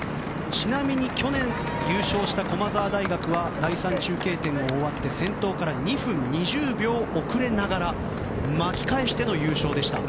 ちなみに、去年優勝した駒澤大学は第３中継点を終わって先頭から２分２０秒遅れながら巻き返しての優勝でした。